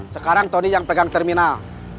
sekarang tony yang pegang terminal